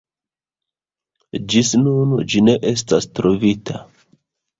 Ĝis nun ĝi ne estas trovita.